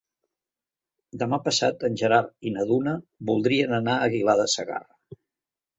Demà passat en Gerard i na Duna voldrien anar a Aguilar de Segarra.